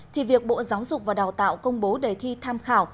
thì việc bộ giáo dục và đào tạo công bố đề thi tham khảo